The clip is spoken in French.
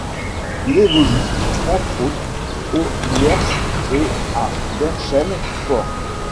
Il évolue, entre autres, au Lierse et à Berchem Sport.